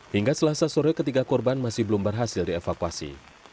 hingga selasa sore ketiga korban masih belum berhasil dievakuasi